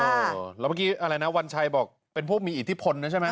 แล้วเมื่อกี้อะไรนะวันชัยบอกเป็นผู้มีอิทธิพลนะใช่ไหม